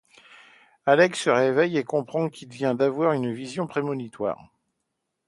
Alex se réveille et comprend qu'il vient d'avoir une vision prémonitoire.